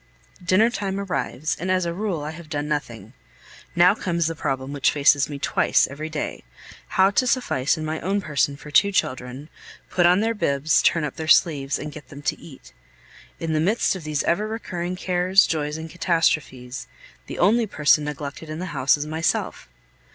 Dinner time arrives, and as a rule I have done nothing. Now comes the problem which faces me twice every day how to suffice in my own person for two children, put on their bibs, turn up their sleeves, and get them to eat. In the midst of these ever recurring cares, joys, and catastrophes, the only person neglected in the house is myself.